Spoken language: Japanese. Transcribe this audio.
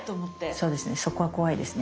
そうですね。